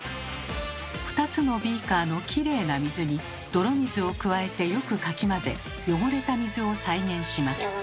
２つのビーカーのきれいな水に泥水を加えてよくかき混ぜ汚れた水を再現します。